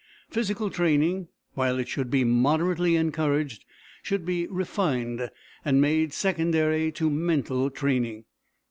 Physical training, while it should be moderately encouraged, should be refined and made secondary to mental training.